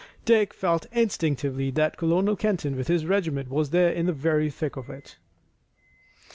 Dick felt instinctively that Colonel Kenton with his regiment was there in the very thick of it.